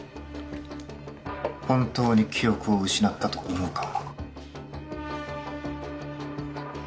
本当に記憶を失ったと思うか？